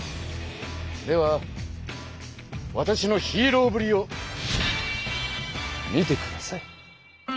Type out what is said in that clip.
ではわたしのヒーローぶりを見てください。